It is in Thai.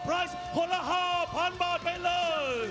ประโยชน์ทอตอร์จานแสนชัยกับยานิลลาลีนี่ครับ